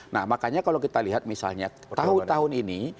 nah makanya kalau kita lihat misalnya tahun tahun ini